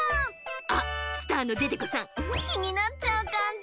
あっスターのデテコさんきになっちゃうかんじ？